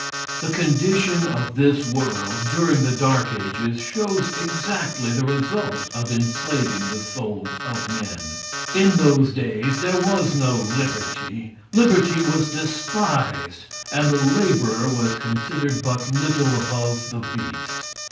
The condition of this world during the dark ages shows exactly the result of enslaving the souls of men. In those days there was no liberty. Liberty was despised, and the laborer was considered but little above the beast.